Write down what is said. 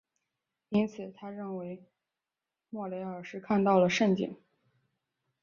因此他认为莫雷尔是看到了蜃景。